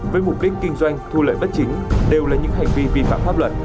với mục đích kinh doanh thu lợi bất chính đều là những hành vi vi phạm pháp luật